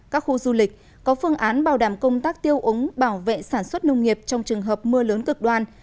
các khu du lịch có phương án bảo đảm công tác tiêu ống bảo vệ sản xuất nông nghiệp trong trường hợp mưa lớn cực đoan